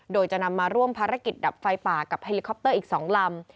โดยจะนำมาร่วมภารกิจดับไฟป่ากับเฮลิคอปเตอร์อีก๒ลำ